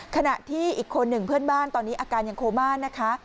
ขณะที่อีกคนหนึ่งเพื่อนบ้านตอนนี้อาการยังโคม่านะคะ